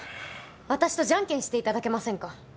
私とじゃんけんしていただけませんか？